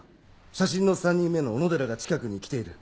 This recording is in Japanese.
写真の３人目の小野寺が近くに来ている。